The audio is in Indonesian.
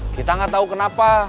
kita nggak tahu kenapa